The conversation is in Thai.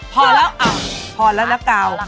พอแล้วพอแล้วนะกาว